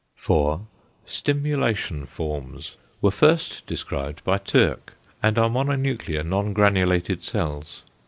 4. "=Stimulation forms=" were first described by Türk, and are mononuclear non granulated cells.